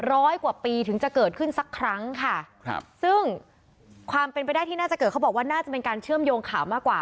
ร้อยกว่าปีถึงจะเกิดขึ้นสักครั้งค่ะครับซึ่งความเป็นไปได้ที่น่าจะเกิดเขาบอกว่าน่าจะเป็นการเชื่อมโยงข่าวมากกว่า